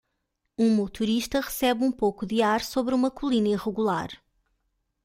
Um motorista recebe um pouco de ar sobre uma colina irregular.